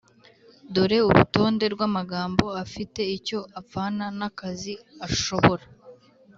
Dore urutonde rw amagambo afite icyo apfana n akazi ashobora